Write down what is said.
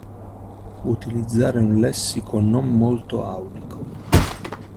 Utilizzare un lessico non molto aulico.